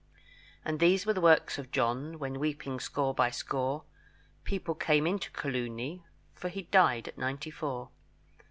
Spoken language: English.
And these were the works of John, When weeping score by score, People came into Coloony, For he'd died at ninety four.